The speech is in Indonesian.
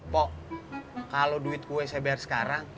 pok kalau duit kue saya bayar sekarang